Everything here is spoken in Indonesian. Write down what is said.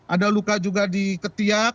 ada luka juga di ketiak